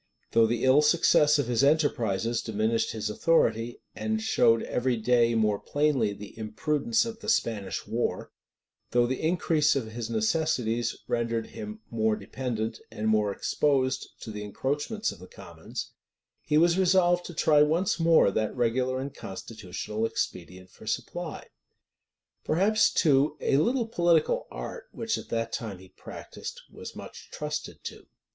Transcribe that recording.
Though the ill success of his enterprises diminished his authority, and showed every day more plainly the imprudence of the Spanish war; though the increase of his necessities rendered him more dependent, and more exposed to the encroachments of the commons, he was resolved to try once more that regular and constitutional expedient for supply. Perhaps, too, a little political art, which at that time he practised, was much trusted to.